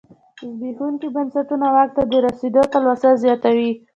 زبېښونکي بنسټونه واک ته د رسېدو تلوسه زیاتوي.